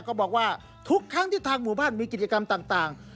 บอกว่าทุกครั้งที่ทางหมู่บ้านมีกิจกรรมต่าง